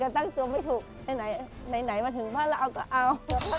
หนูนี่ไงนี่พี่นะเขาเป็นเจ้า